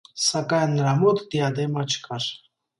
Սակայն նրա մոտ դիադեմա չկար։